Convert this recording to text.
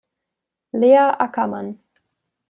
Lea Ackermann.